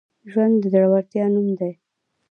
ژوند د زړورتیا نوم دی.